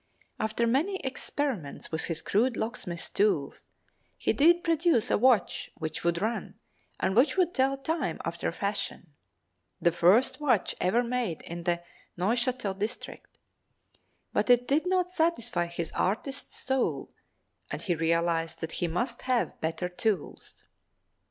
After many experiments with his crude locksmith tools, he did produce a watch which would run and which would tell time after a fashion—the first watch ever made in the Neuchatel district—but it did not satisfy his artist's soul and he realized that he must have better tools.